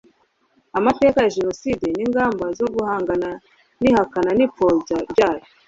amateka ya jenoside n' ingamba zo guhangana n'ihakana n'ipfobya ryayo